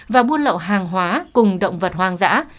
và buôn lậu hàng hóa cùng động vật hoang dã